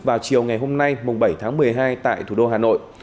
vào chiều ngày hôm nay bảy tháng một mươi hai tại thủ đô hà nội